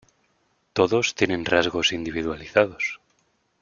Todos tienen rasgos individualizados.